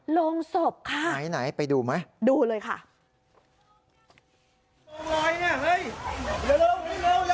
โล่งศพค่ะดูเลยค่ะง่ายไปดูเหมือนไหน